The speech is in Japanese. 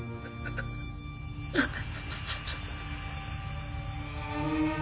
ああ！